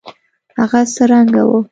هغه څه رنګه وه.